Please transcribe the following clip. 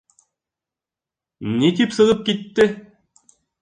Ни тип сығып китте?